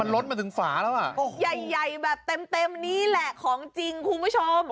นี่ไงถึงว่าโอ้โฮนี่แหละของจริงคุณผู้ชม